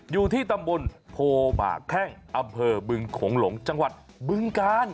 อยู่ที่ตำบลโพหมากแข้งอำเภอบึงโขงหลงจังหวัดบึงกาล